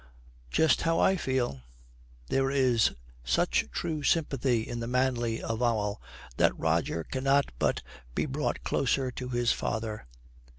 'Just how I feel.' There is such true sympathy in the manly avowal that Roger cannot but be brought closer to his father.